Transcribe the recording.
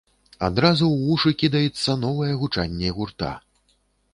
Адразу ў вушы кідаецца новае гучанне гурта.